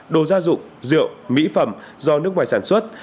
đồ gia dụng rượu mỹ phẩm do nước ngoài sản xuất